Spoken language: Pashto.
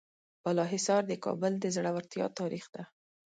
بالاحصار د کابل د زړورتیا تاریخ ده.